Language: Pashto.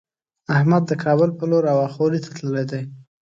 احمد د کابل په لور هوا خورۍ ته تللی دی.